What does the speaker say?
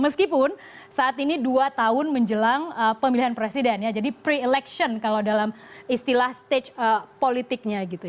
meskipun saat ini dua tahun menjelang pemilihan presiden ya jadi pre election kalau dalam istilah stage politiknya gitu